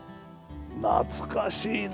なつかしいな。